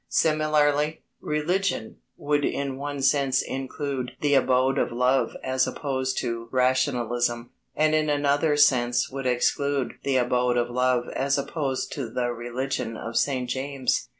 Similarly, "religion" would in one sense include the Abode of Love as opposed to rationalism, and in another sense would exclude the Abode of Love as opposed to the religion of St. James.